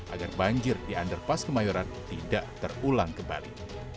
agar banjir di underpass kemayoran tidak terulang kembali